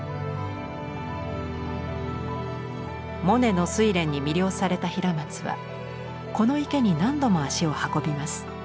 モネの「睡蓮」に魅了された平松はこの池に何度も足を運びます。